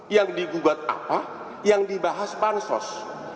yang digugat apa yang dibahas bansos